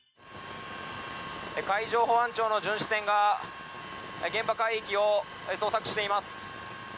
海上保安庁の巡視船が現場海域を捜索しています。